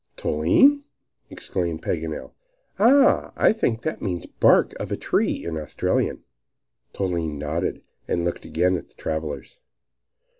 "Toline!" exclaimed Paganel. "Ah! I think that means 'bark of a tree' in Australian." Toline nodded, and looked again at the travelers.